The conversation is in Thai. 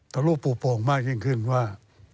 ทรูปปูโป่งมากยิ่งขึ้นว่า